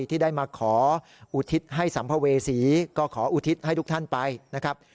ที่ได้มาขออุทิศให้สัมภเวษีก็ขออุทิศให้ทุกท่านไปนะครับ